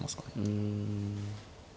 うん。